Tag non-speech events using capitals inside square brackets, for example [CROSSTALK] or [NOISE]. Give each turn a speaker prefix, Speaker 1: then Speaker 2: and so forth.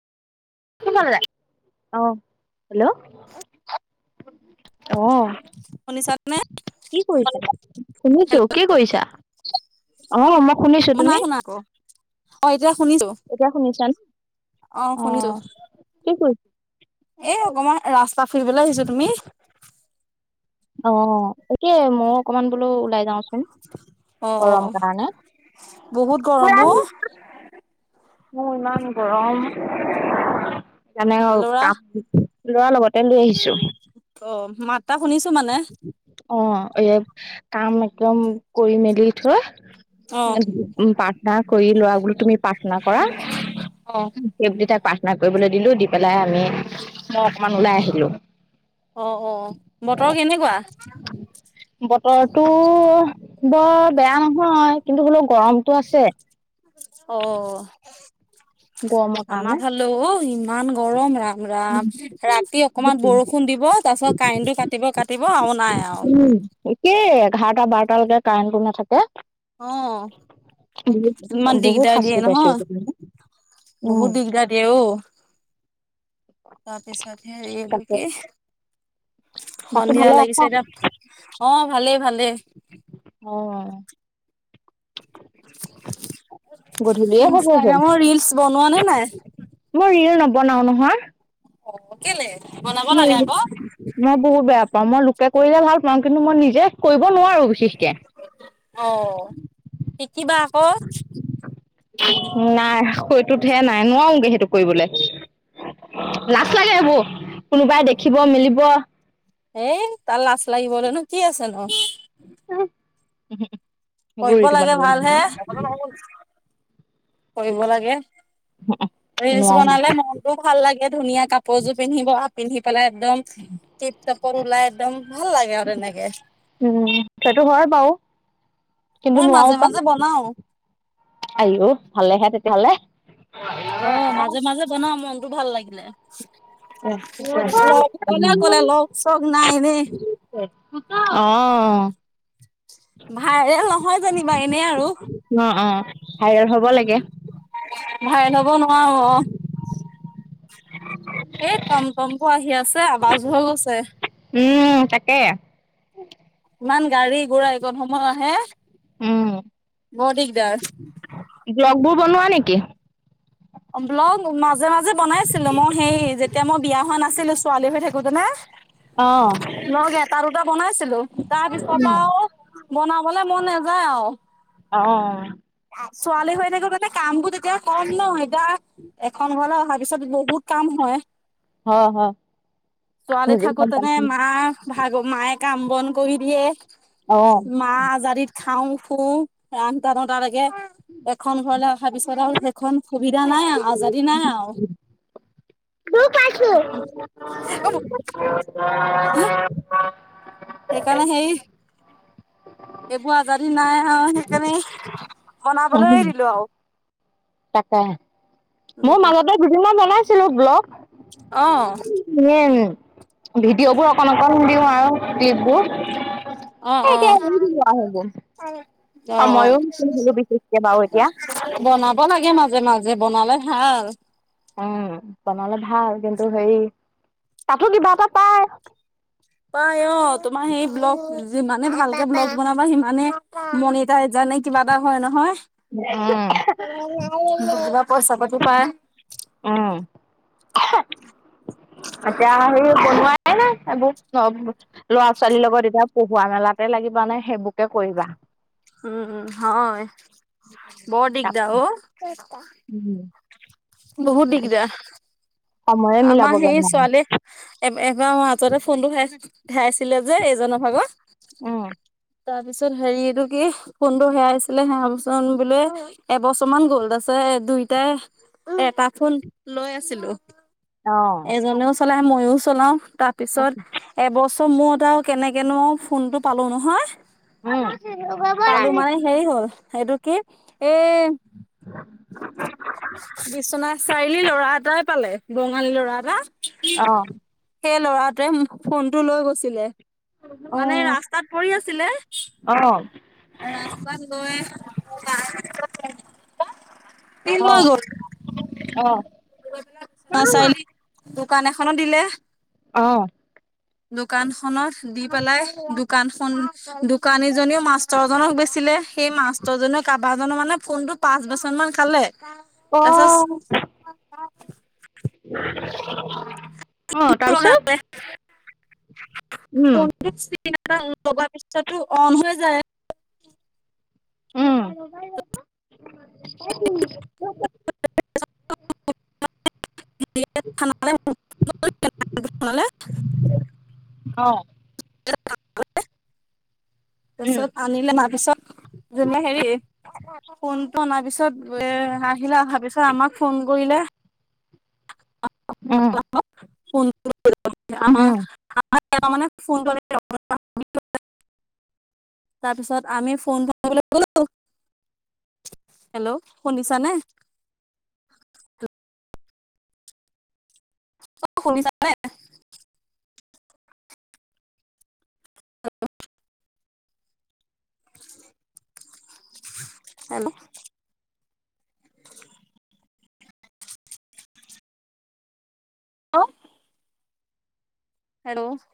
Speaker 1: [UNINTELLIGIBLE] অ hello অ
Speaker 2: শুনিছানে?
Speaker 1: কি কৰিছা? শুনিছো,
Speaker 2: হেল্ল'
Speaker 1: কি কৰিছা? অ মই শুনিছো,
Speaker 2: নাই
Speaker 1: তুমি?
Speaker 2: শুনা আকৌ। অ এতিয়া শুনিছো।
Speaker 1: এতিয়া শুনিছ [UNINTELLIGIBLE] অ কি কৰি
Speaker 2: এ অকমান ৰাস্তা ফুৰিবলে আহিছো, তুমি?
Speaker 1: অ তাকেই মইও অকমান বোলো ওলাই যাওঁচোন।
Speaker 2: অ, অ, অ
Speaker 1: গৰম কাৰণে
Speaker 2: বহুত গৰম অ।
Speaker 1: মোৰ ইমান গৰম।
Speaker 2: ল'ৰা
Speaker 1: [UNINTELLIGIBLE] ল'ৰা লগতে লৈ আহিছো।
Speaker 2: অ মাতটা শুনিছো মানে।
Speaker 1: অ এই কাম একদম কৰি মেলি থৈ
Speaker 2: অ'।
Speaker 1: প্ৰাৰ্থনা কৰি ল'ৰাক বোলো তুমি পাৰ না কৰা
Speaker 2: অ'
Speaker 1: সেইবুলি তাক প্ৰাৰ্থনা কৰিবলৈ দিলো। দি পেলাই আমি মই অকমান ওলাই আহিলো।
Speaker 2: অ, অ বতৰ কেনেকুৱা?
Speaker 1: বতৰটো বৰ বেয়া নহয়, কিন্তু হ'লেও গৰমটো আছে।
Speaker 2: অ।
Speaker 1: গ
Speaker 2: আমাৰ ফালেও ইমান গৰম। ৰাম! ৰাম! ৰাতি অকমান বৰষুণ দিব। তাৰ পিছত কাৰেণ্টো কাটিব, কাটিব আৰু নাই আও।
Speaker 1: উম [UNINTELLIGIBLE] একেই এঘাৰটা, বাৰটালৈকে কাৰেণ্টটো নেথাকে।
Speaker 2: অ ইমান
Speaker 1: বহুত
Speaker 2: দিগদাৰ
Speaker 1: শাস্তি
Speaker 2: দিয়ে
Speaker 1: পাইছো
Speaker 2: নহয়।
Speaker 1: এইকেইদিন। উম
Speaker 2: বহুত দিগদাৰ দিয়ে ঔ। তাৰপিছতে এইটো
Speaker 1: তাকে
Speaker 2: কি
Speaker 1: বাকী
Speaker 2: সন্ধিয়া
Speaker 1: ভালে আছা
Speaker 2: লাগিছে এতিয়া অ, ভালে ভালে।
Speaker 1: অ, অ। গধূলিয়ে হ'ব হ'ল
Speaker 2: ইনষ্টাগ্ৰামৰ ৰীলচ বনোৱা নে নাই?
Speaker 1: মই ৰীল নবনাও নহয়।
Speaker 2: অ কেলে? বনাব
Speaker 1: মই
Speaker 2: লাগে
Speaker 1: ৰিল
Speaker 2: আকৌ।
Speaker 1: মই বহুত বেয়া পাওঁ। মই লোকে কৰিলে ভাল পাওঁ। কিন্তু মই নিজে কৰিব নোৱাৰো বিশেষকে।
Speaker 2: অ, শিকিবা আকৌ।
Speaker 1: নাই, সৈটোতহে নাই। নোৱাৰোগে সেইটো কৰিবলে। লাজ লাগে এইবোৰ। কোনোবাই দেখিব মেলিব।
Speaker 2: এই তাৰ লাজ লাগিবলেনো কি আছে ঘৰত
Speaker 1: [UNINTELLIGIBLE]
Speaker 2: কৰিব
Speaker 1: গুৰিটো
Speaker 2: লাগে
Speaker 1: মানে
Speaker 2: ভাল হে। কৰিব লাগে।
Speaker 1: অ অ [UNINTELLIGIBLE]
Speaker 2: ৰিলচ বনালে মনটোও ভাল লাগে ধুনীয়া কাপোৰযোৰ পিন্ধিব, পিন্ধি পেলাই একদম। টিপ তপত ওলাই একদম ভাল লাগে আৰু তেনেকে
Speaker 1: উম সেইটো হয় বাও কিন্তু
Speaker 2: মই
Speaker 1: নোৱাৰোও
Speaker 2: মাজে
Speaker 1: পাই
Speaker 2: মাজে বনাও
Speaker 1: আইও ভালেহে তেতিয়াহলে
Speaker 2: অ মাজে মাজে বনাও মনটো ভাল লাগিলে। ওৱ কোনে কলে লগ চগ নাই এনেই।
Speaker 1: অহ।
Speaker 2: ভাইৰেল নহয় জানিবা এনে আৰু
Speaker 1: অহ, অহ।
Speaker 2: ভাইৰেল হব নোৱাৰো অ
Speaker 1: হয় [UNINTELLIGIBLE]
Speaker 2: এই টম টমবোৰ আহি আছে আৱাজ হৈ গৈছে
Speaker 1: উম তাকে।
Speaker 2: ইমান গাড়ী গোৰা এইকণ সময় আহে
Speaker 1: উম
Speaker 2: বৰ দিগদাৰ।
Speaker 1: ব্লগবোৰ বনোৱা নেকি?
Speaker 2: ব্লগ মাজে -মাজে বনাইছিলো মই সেই যেতিয়া মই বিয়া হোৱা নাছিলো ছোৱালী হৈ থাকোতে নে
Speaker 1: অ
Speaker 2: ব্লগ এটা দুটা বনাইছিলো তাৰপিছত আও বনাবলে মন নাযায় আও
Speaker 1: অহ।
Speaker 2: ছোৱালী হৈ থাকোতেযে তাতে কাম বোৰ তেতিয়া কম নহ এতিয়া এখন ঘৰলে অহাৰ পিছত বহুত কাম হয়
Speaker 1: হয় হয়
Speaker 2: ছোৱালী
Speaker 1: নিজে গম
Speaker 2: থাকোতেনে
Speaker 1: পাইছো
Speaker 2: মা ভাগ মায়ে কাম বন কৰি দিয়ে,
Speaker 1: অ
Speaker 2: মা আজাদিত খাওঁ শুওঁ আঠটা নতালৈকে, এখন ঘৰলে অহাৰ পিছত আৰু সেইখন সুবিধা নাই আৰু আজাদী নাই আও।
Speaker 1: ৰাখি।
Speaker 2: সেইকাৰণে সেই এইবোৰ আজাদী নাই আৰু সেইকাৰণে বনাবলৈ এৰি দিলো আও
Speaker 1: তাকে,
Speaker 2: উম
Speaker 1: মোৰ
Speaker 2: উম
Speaker 1: মাজতে দুদিনমান বনাইছিলো ব্লগ
Speaker 2: অ।
Speaker 1: সেইয়ে ভিডিঅ'বোৰ অকণ অকণ দিওঁ আৰু ৰিলছবোৰ
Speaker 2: অ
Speaker 1: এ
Speaker 2: অ
Speaker 1: এতিয়া আহ মন চন নোহোৱা হৈ গল, সময়ো
Speaker 2: অ
Speaker 1: হো [UNINTELLIGIBLE] বিশষকে বাৰু এতিয়া
Speaker 2: বনাব লাগে মাজে মাজে বনালে ভাল
Speaker 1: উম, বনালে ভাল কিন্তু হেৰি, তাতো কিবা এটা পাই
Speaker 2: পাই অ তোমাৰ সেই ব্লগ যিমানে ভালকে ব্লগ বনাবা সিমানে মনিটাইজা নে কিবা এটা হয় নহয়? [UNINTELLIGIBLE] কিবা পইচা পাতি পায়
Speaker 1: উম। তাকে আৰু সেই বনোৱাই নাই এইবোৰ ব্লগবোৰ ল'ৰা -ছোৱালীৰ লগত এতিয়া পঢ়োৱা মেলাতে লাগিব নে সেইবোৰকে কৰিবা
Speaker 2: উম উম হয় বৰ দিগদাৰ অঔ বহুত দিগদাৰ
Speaker 1: সময়ে
Speaker 2: আমাৰ
Speaker 1: মিলাবগে
Speaker 2: সেই
Speaker 1: নোৱাৰি
Speaker 2: ছোৱালী এ এবাৰ মাজতে ফোনটো হেৰাইছে হেৰাইছিলে যে এইজনৰ
Speaker 1: উম,
Speaker 2: ভাগত তাৰপিছত হেৰি এইটো কি ফোনটো হেৰাইছিলে হেৰাপিছত বোলে এবছৰ মান গ'ল আছে, দুইটাই এটা ফোন লৈ আছিলো।
Speaker 1: অঁ
Speaker 2: এজনেও চলাই মইও চলাও তাৰ
Speaker 1: অ',
Speaker 2: পিছত এবছৰ মোৰত আৰু কেনেকেনো ফোনটো পালো নহয়। পালো মানে হেৰি হ'ল, সেইটো- কি এ বিশ্বনাথ চাৰিআলি ল'ৰা এটাই পালে বঙালী ল'ৰা এটা। সেই ল'ৰাটোৱে ফোনটো লৈ গৈছিলে, মানে
Speaker 1: অ',
Speaker 2: ৰাস্তাত পৰি আছিলে।
Speaker 1: অ
Speaker 2: [UNINTELLIGIBLE] সি লৈ গল। বিশ্বনাথ চাৰআলি দোকান এখনত দিলে।
Speaker 1: অঁ
Speaker 2: দোকান খনত দি পেলাই, দোকান খন- দোকানীজনীও মাষ্টৰজনক বেছিলে, সেই মাষ্টৰজনীও কাৰোবাৰ জনৰো মানে ফোনটোত - পাঁচ বছৰ মান খালে তাৰপাছত -
Speaker 1: অঁ তাৰপিছত-
Speaker 2: এ লগাৰ
Speaker 1: উম,
Speaker 2: পিছতো অন হৈ যায় [UNINTELLIGIBLE]
Speaker 1: উম
Speaker 2: [UNINTELLIGIBLE]
Speaker 1: অ
Speaker 2: ত
Speaker 1: উম,
Speaker 2: সত [UNINTELLIGIBLE] আনিলে, অনা পিছত জোনে হেৰি ফোনটো অনা পিছত- পিছত এ আহিলে অহাৰ পিছত আমাক ফোন কৰিলে।
Speaker 1: উম,
Speaker 2: অ ফ আ
Speaker 1: উম।
Speaker 2: [UNINTELLIGIBLE] মানে ফোন কৰি [UNINTELLIGIBLE] তাৰ পিছত আমি ফোন কৰিবলৈ গ'লো। হেল্ল' শুনিছা নে। অ শুনিছা নে। Hello hello hello